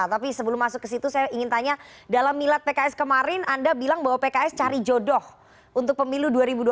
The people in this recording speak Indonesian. tapi sebelum masuk ke situ saya ingin tanya dalam milad pks kemarin anda bilang bahwa pks cari jodoh untuk pemilu dua ribu dua puluh